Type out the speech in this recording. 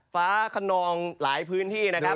ฟ้าขนองหลายพื้นที่นะครับ